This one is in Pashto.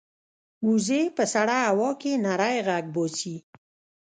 وزې په سړه هوا کې نری غږ باسي